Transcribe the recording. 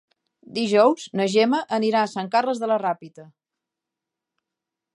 Dijous na Gemma anirà a Sant Carles de la Ràpita.